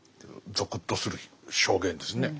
ゾクッとする表現ですね。